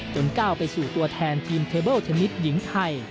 จนก้าวไปสู่ตัวแทนทีมเทบลเทอร์มิตหญิงไทย